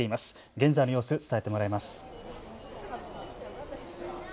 現在の様子、伝えてもらいます。